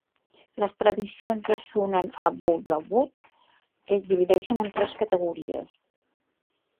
Les tradicions de "Sunan Abu Dawud" es divideixen en tres categories.